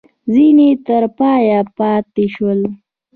ځیني تر پایه پاته شول.